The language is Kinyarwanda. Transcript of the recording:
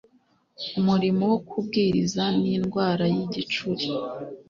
umurimo wo kubwiriza n indwara y igicuri